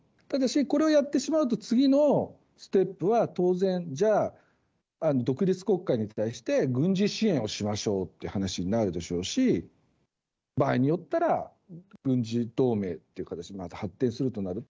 ただし、これをやってしまうと次のステップは当然、じゃあ、独立国家に対して、軍事支援しましょうっていう話になるでしょうし、場合によったら、軍事同盟っていう形に発展すると。